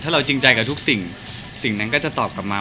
เราจริงใจกับทุกสิ่งสิ่งนั้นก็จะตอบกลับมา